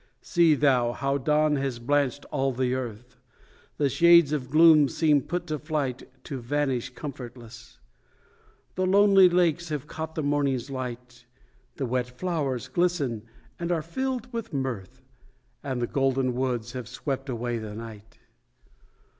See thou, how dawn has blanched all the earth, The shades of gloom seem put to flight, To vanish comfortless; The lonely lakes have caught the morning's light, The wet flow'rs glisten and are filled with mirth, And the golden woods have swept away the night.